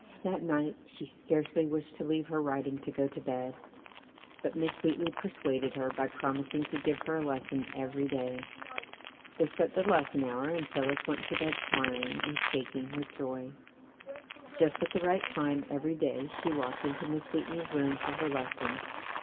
That night she scarcely wished to leave her writing to go to bed, but Miss Wheatley per suaded her by promising to give her a lesson every day. They set the lesson hour and Phillis went to bed smiling and shaking with joy. Just at the right time every day she walked into Miss Wheat PHILLIS WHEATLEY [171 ley's room for her lesson.